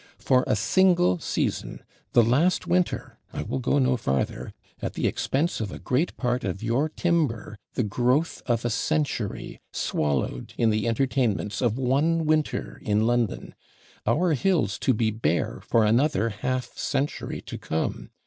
For a single season, the last winter (I will go no farther), at the expense of a great part of your timber, the growth of a century swallowed in the entertainments of one winter in London! Our hills to be bare for another half century to come!